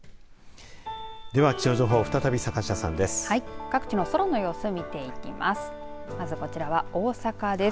では、気象情報再び坂下さんです。